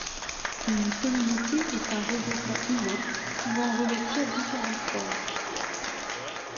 Une communauté est un regroupement humain, pouvant revêtir différentes formes.